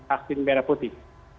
vaksin merah putih